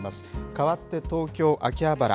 かわって、東京・秋葉原。